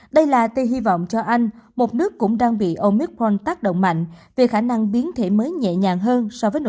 đây là tên hy vọng cho anh một nước cũng đang bị omicron tác động mạnh về khả năng biến thể mới nhẹ nhàng hơn